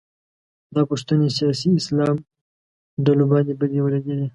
دا پوښتنې سیاسي اسلام ډلو باندې بدې ولګېدې